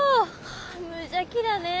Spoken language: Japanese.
無邪気だねえ。